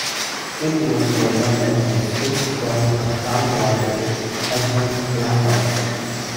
It was developed by the Swiss-born ophthalmologist Edmund Landolt.